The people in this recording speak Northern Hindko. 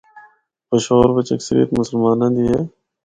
پشور بچ اکثریت مسلماںاں دی ہے۔